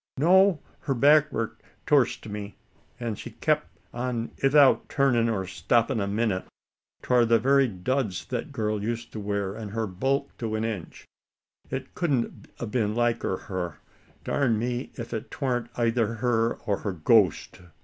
"No, her back war torst me, an' she kep on 'ithout turnin' or stoppin' a minnit. 'Twar the very duds that girl used to wear, an' her bulk to an inch. It kudn't a been liker her. Darn me, ef 'twan't eyther her or her ghost!"